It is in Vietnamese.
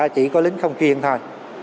chỉ có lính không chuyên thôi